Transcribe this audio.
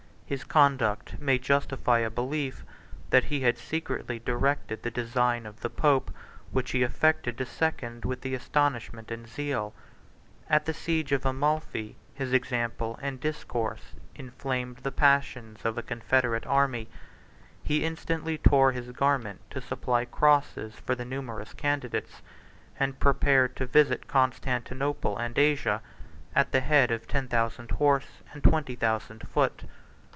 His conduct may justify a belief that he had secretly directed the design of the pope, which he affected to second with astonishment and zeal: at the siege of Amalphi, his example and discourse inflamed the passions of a confederate army; he instantly tore his garment to supply crosses for the numerous candidates, and prepared to visit Constantinople and Asia at the head of ten thousand horse and twenty thousand foot.